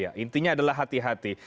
ya intinya adalah hati hati